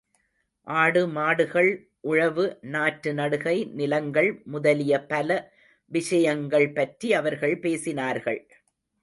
ஆடு, மாடுகள், உழவு, நாற்று நடுகை, நிலங்கள் முதலிய பல விஷயங்கள் பற்றி அவர்கள் பேசினார்கள்.